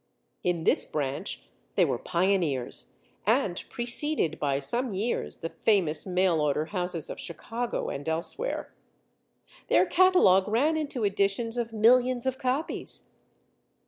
In this branch they were pioneers and preceded by some years the famous mail order houses of Chicago and elsewhere. Their catalog ran into editions of millions of copies.